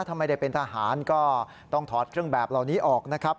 ถ้าไม่ได้เป็นทหารก็ต้องถอดเครื่องแบบเหล่านี้ออกนะครับ